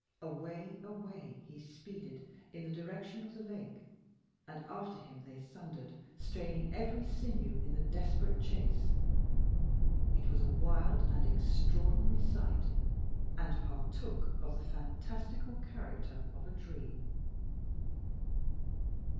away! he speeded in the direction of the lake; and after him they thundered, straining every sinew in the desperate chase. It was a wild and extraordinary sight, and partook of the fantastical character of a dream.